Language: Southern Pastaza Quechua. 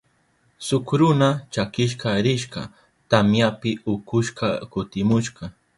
Shuk runa chakishka rishka tamyapi ukushka kutimushka.